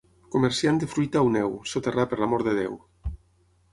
Comerciant de fruita o neu, soterrar per l'amor de Déu.